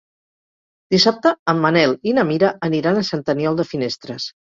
Dissabte en Manel i na Mira aniran a Sant Aniol de Finestres.